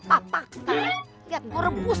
papang ntar liat gua rebus